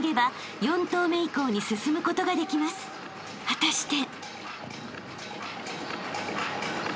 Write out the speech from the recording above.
［果たして］